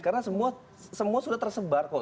karena semua sudah tersebar kok